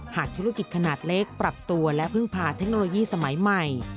หากธุรกิจขนาดเล็กปรับตัวและพึ่งพาเทคโนโลยีสมัยใหม่